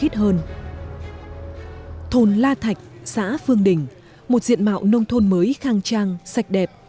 thôn la thạch xã phương đình một diện mạo nông thôn mới khang trang sạch đẹp